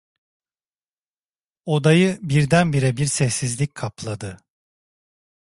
Odayı birdenbire bir sessizlik kapladı.